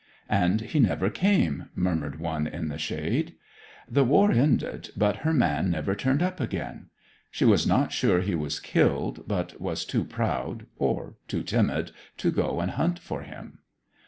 'And he never came,' murmured one in the shade. 'The war ended but her man never turned up again. She was not sure he was killed, but was too proud, or too timid, to go and hunt for him.'